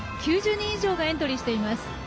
９０人以上がエントリーしています。